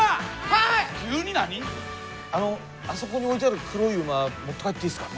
あのあそこに置いてある黒い馬持って帰っていいっすか？